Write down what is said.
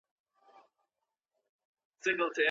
ولې افغان سوداګر کیمیاوي سره له ایران څخه واردوي؟